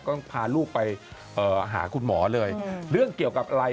ก็พาลูกไปหาคุณหมอเลยเรื่องเกี่ยวกับอะไร